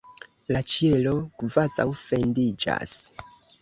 La ĉielo kvazaŭ fendiĝas!